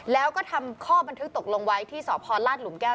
แล้วก็ทำข้อบันทึกตกลงไว้ที่สพลาดหลุมแก้ว